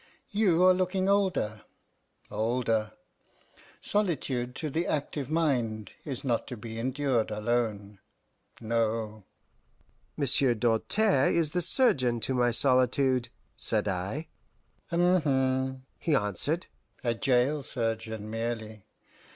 You are looking older older. Solitude to the active mind is not to be endured alone no." "Monsieur Doltaire is the surgeon to my solitude," said I. "H'm!" he answered, "a jail surgeon merely.